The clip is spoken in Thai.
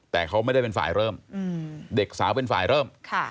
แต่เขาไม่ได้เป็นฝ่ายเริ่มเด็กสาวเป็นฝ่ายเริ่ม